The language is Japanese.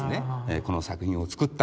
この作品を作ったんです。